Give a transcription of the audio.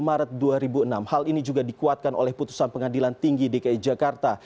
dua puluh maret dua ribu enam hal ini juga dikuatkan oleh putusan pengadilan tinggi dki jakarta